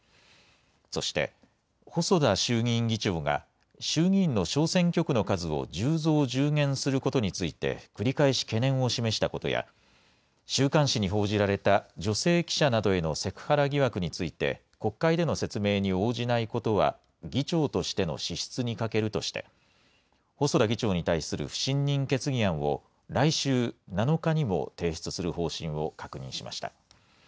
そして、細田衆議院議長が衆議院の小選挙区の数を１０増１０減することについて、繰り返し懸念を示したことや、週刊誌に報じられた女性記者などへのセクハラ疑惑について、国会での説明に応じないことは議長としての資質に欠けるとして、細田議長に対する不信任決議案を来週７日にも提出する方針を確認しました。